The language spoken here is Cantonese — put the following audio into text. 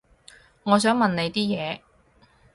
我想問你啲嘢